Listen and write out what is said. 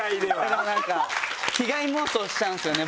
でもなんか被害妄想しちゃうんですよね